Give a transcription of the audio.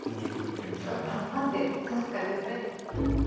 パンパンってたたく感じですね。